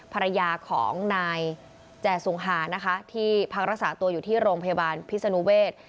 ภรรยาของนายแจสุงหานะคะที่พักรักษาตัวอยู่ที่โรงพยาบาลพิศนุเวศ